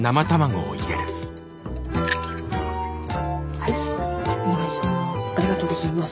はいお願いします。